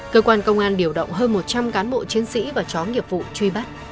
cơ quan công an điều động hơn một trăm linh cán bộ chiến sĩ và chó nghiệp vụ truy bắt